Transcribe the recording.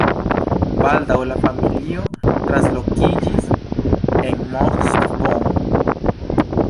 Baldaŭ la familio translokiĝis en Moskvon.